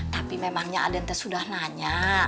tapi memangnya aden teh sudah nanya